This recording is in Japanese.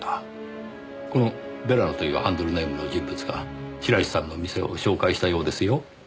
このヴェラノというハンドルネームの人物が白石さんの店を紹介したようですよ。